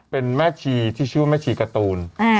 เป็นแม่ชีที่ชื่อว่าแม่ชีการ์ตูน